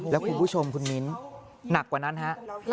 แล้วคุณผู้ชมคุณมิ้นหนักกว่านั้นฮะ